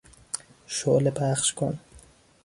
شعله پخشکن